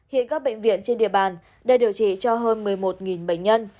hiện các bệnh viện trên địa bàn đang điều trị cho hơn một mươi một bệnh nhân